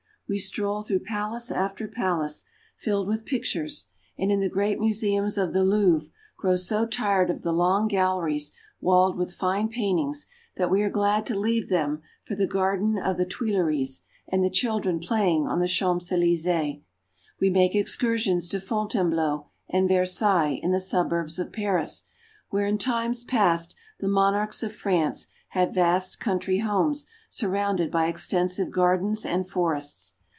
We stroll through palace after palace filled with pic The Louvre. Il8 FRANCE. tures, and in the great museums of the Louvre grow so tired of the long galleries walled with fine paintings that we are glad to leave them for the Garden of the Tuileries and the children playing on the Champs Elysees. We make excursions to Fontainebleau and Versailles in the suburbs of Paris, where in times past the monarchs of France had vast country homes surrounded by extensive gardens and forests.